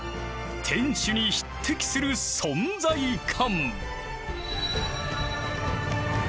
天守に匹敵する存在感。